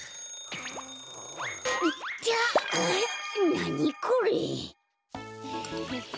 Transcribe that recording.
なにこれ？